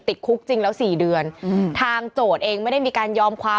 ติดคุกจริงแล้วสี่เดือนอืมทางโจทย์เองไม่ได้มีการยอมความ